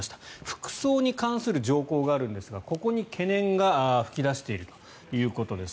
服装に関する条項があるんですがここに懸念が噴き出しているということです。